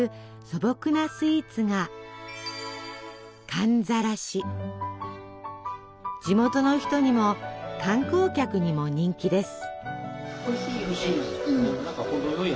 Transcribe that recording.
素朴なスイーツが地元の人にも観光客にも人気です。